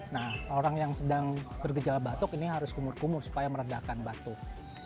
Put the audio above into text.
nah orang yang sedang bergejala batuk ini harus kumur kumur supaya meredakan batuk